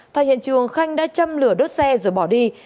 thay hiện trường khanh đã châm lửa đốt xe rồi bỏ đi